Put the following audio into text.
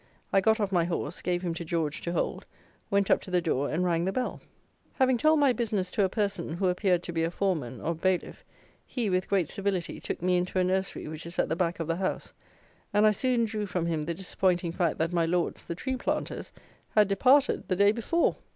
I got off my horse, gave him to George to hold, went up to the door, and rang the bell. Having told my business to a person, who appeared to be a foreman, or bailiff, he, with great civility, took me into a nursery which is at the back of the house; and I soon drew from him the disappointing fact that my lords, the tree planters, had departed the day before!